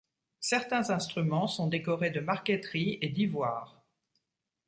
Certains instruments sont décorés de marqueterie et d'ivoire.